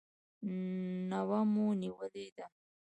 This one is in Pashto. نوه مو نیولې ده.